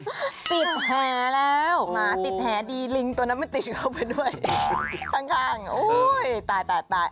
ติดแหแล้วหมาติดแหดีลิงตัวนั้นมันติดเข้าไปด้วยข้างโอ้ยตายตาย